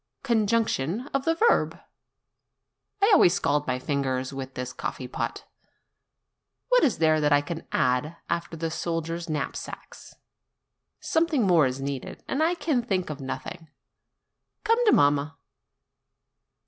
Conjugation of the verb! I always scald my fingers with this coffee pot. What is there that I can add after the soldiers' knapsacks? Something more is needed, and I can think of nothing. Come to mamma.'